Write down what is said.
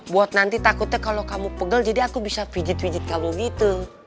buat nanti takutnya kalau kamu pegel jadi aku bisa pijit pijit kamu gitu